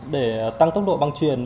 để tăng tốc độ băng truyền